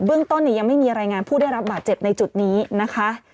เรื่องต้นยังไม่มีรายงานผู้ได้รับบาดเจ็บในจุดนี้นะคะ